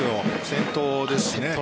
先頭ですし。